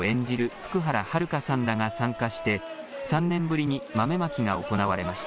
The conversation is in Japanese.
福原遥さんらが参加して、３年ぶりに豆まきが行われました。